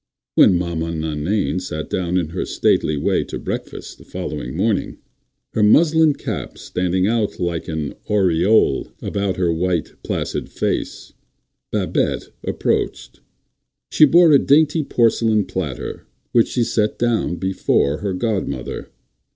When Maman Nainaine sat down in her stately way to breakfast, the following morning, her muslin cap standing like an aureole about her white, placid face, Babette approached. She bore a dainty porcelain platter, which she set down before her godmother.